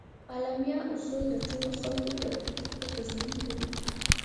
د اعلامیه اصول د ټولو خلکو د حقوقو تضمین کوي.